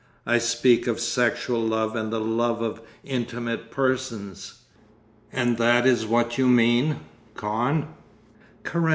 'I speak of sexual love and the love of intimate persons. And that is what you mean, Kahn.